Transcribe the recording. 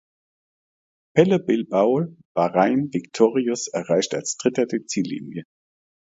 Pello Bilbao (Bahrain Victorious) erreichte als Dritter die Ziellinie.